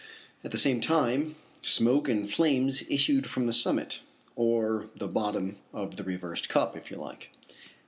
At the same time smoke and flames issued from the summit or the bottom of the reversed cup, if you like.